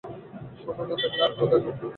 সময় না থাকলে আর কথা কি?